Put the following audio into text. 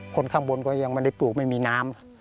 คนข้างบนก็ยังไม่ได้ปลูกไม่มีน้ำ